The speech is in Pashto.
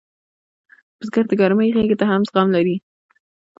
بزګر د ګرمۍ غېږ ته هم زغم لري